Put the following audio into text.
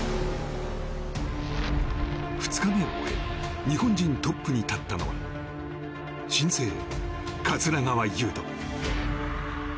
２日目を終え日本人トップに立ったのは新星・桂川有人。